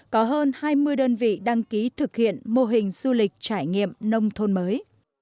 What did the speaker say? có hơn hai mươi đơn vị đăng ký thực hiện mô hình du lịch trải nghiệm nông thôn mới